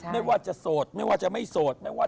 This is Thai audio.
ไม่ว่าจะโสดไม่ว่าจะไม่โสด